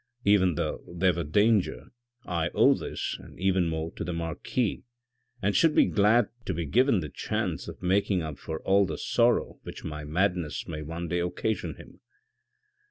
Even though there were danger, I owe this and even more to the marquis, and should be glad to be given the chance of making up for all the sorrow which my madness may one day occasion him."